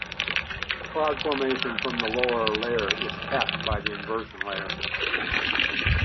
Cloud formation from the lower layer is "capped" by the inversion layer.